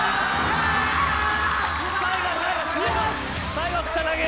最後草薙。